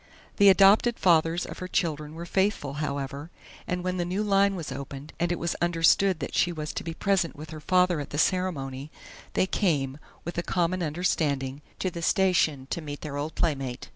The "adopted fathers" of her children were faithful, however, and when the new line was opened, and it was understood that she was to be present with her father at the ceremony, they came, with a common understanding, to the station to meet their old playmate.